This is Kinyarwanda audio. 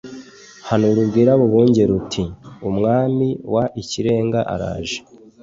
Hanura ubwire abo bungeri uti Umwami w Ikirenga araje